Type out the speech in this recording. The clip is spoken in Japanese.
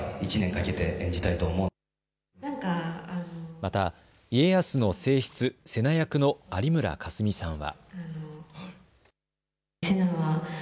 また家康の正室、瀬名役の有村架純さんは。